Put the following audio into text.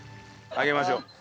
上げましょう。